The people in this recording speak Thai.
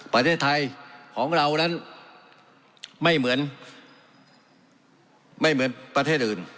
ประเทศไทยของเรานั้นไม่เหมือนไม่เหมือนประเทศอื่น